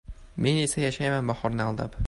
Men esa yashayman bahorni aldab